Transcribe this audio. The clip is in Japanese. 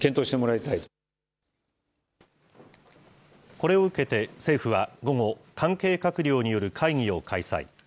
これを受けて政府は午後、関係閣僚による会議を開催。